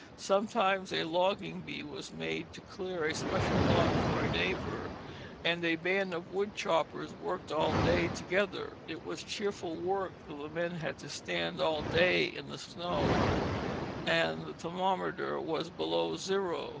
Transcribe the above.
Sometimes a logging bee was made to clear a special lot for a neighbor, and a band of wood choppers worked all day together. It was cheerful work, though the men had to stand all day in the snow, and the thermometer was below zero.